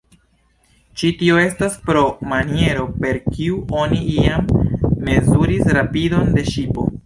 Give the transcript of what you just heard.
Ĉi tio estas pro maniero, per kiu oni iam mezuris rapidon de ŝipo.